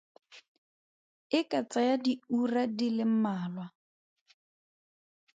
E ka tsaya diura di le mmalwa.